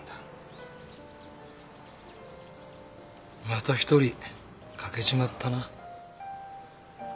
また１人欠けちまったな。